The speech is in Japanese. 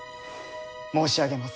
申し上げます。